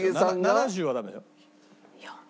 ７０はダメ。